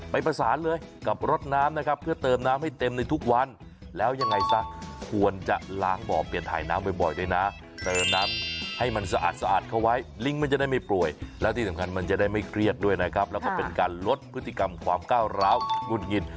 ไปประสานเลยกับรดน้ำนะครับเพื่อเติมน้ำให้เต็มในทุกวัน